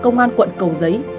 công an quận cầu giấy